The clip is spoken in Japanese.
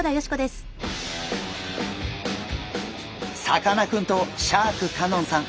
さかなクンとシャーク香音さん